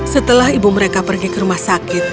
setelah ibu mereka pergi ke rumah sakit